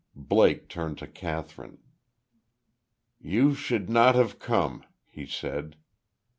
Blake turned to Kathryn. "You should not have come," he said.